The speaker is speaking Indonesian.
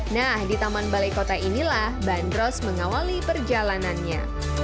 nah di taman balai kota inilah bandros mengawali perjalanannya